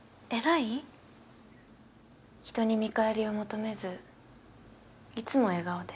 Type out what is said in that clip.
人に見返りを求めずいつも笑顔で。